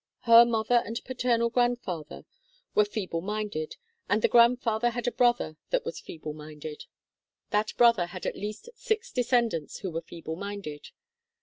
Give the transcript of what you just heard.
Her mother and paternal grandfather were feeble minded, and the grand father had a brother that was feeble minded. That brother had at least six descendants who were feeble minded.